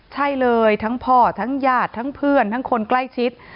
ใช่เลยทั้งพ่อทั้งญาติทั้งเพื่อนทั้งคนใกล้ชิด